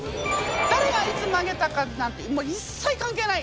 誰がいつ曲げたかなんてもう一切関係ない。